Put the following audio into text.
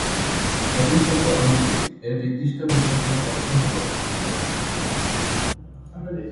Latin শব্দ "আম্বিলিস" এর নির্দিষ্ট বিশেষণের অর্থ হল সুন্দর।